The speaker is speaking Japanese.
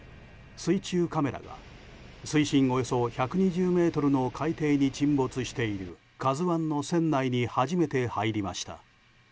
水中カメラが水深およそ１２０ｍの海底に沈没している「ＫＡＺＵ１」の船内に初めて入りました。